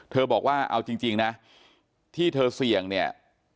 บอกว่าเอาจริงนะที่เธอเสี่ยงเนี่ย